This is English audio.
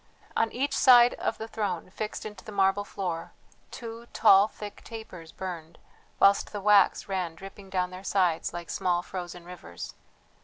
On each side of the throne, fixed into the marble floor, two tall thick tapers burned, whilst the wax ran dripping down their sides like small frozen rivers.